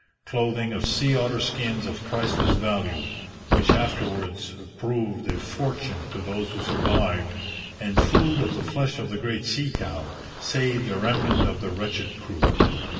Clothing of sea otter skins of priceless value, which afterwards proved a fortune to those who survived, and food of the flesh of the great sea cow, saved a remnant of the wretched crew.